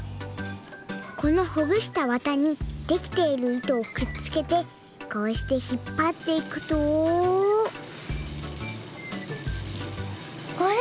このほぐしたわたにできているいとをくっつけてこうしてひっぱっていくとあれ？